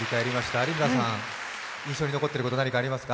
有村さん、印象に残っていることありますか？